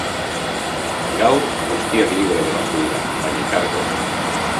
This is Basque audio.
Gaur, guztiak libre geratu dira, baina karguekin.